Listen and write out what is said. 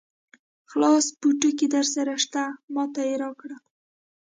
خلاص پوټکی درسره شته؟ ما ته یې راکړ.